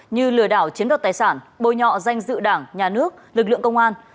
như lừa đảo chiến đấu tài sản bôi nhọ danh dự đảng nhà nước lực lượng công an